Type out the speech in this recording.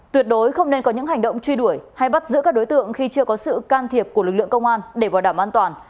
tuyệt đối không nên có những hành động truy đuổi hay bắt giữ các đối tượng khi chưa có sự can thiệp của lực lượng công an để bảo đảm an toàn